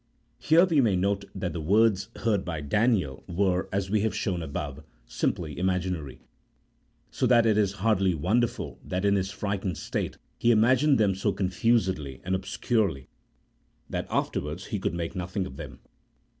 Here we may note that the words heard by Daniel, were, as we have shown above, simply imaginary, so that it is hardly wonderful that in his frightened state he imagined them so confusedly and obscurely that afterwards he could make nothing of them.